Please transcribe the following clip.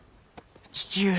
父上！